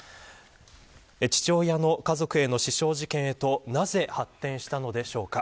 父親の家族への刺傷事件へとなぜ、発展したのでしょうか。